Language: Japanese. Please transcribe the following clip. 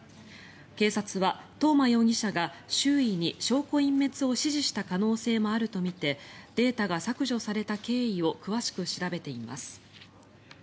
警察は東間容疑者が周囲に証拠隠滅を指示した可能性もあるとみてデータが削除された経緯を詳しく調べています。